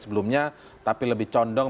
sebelumnya tapi lebih condong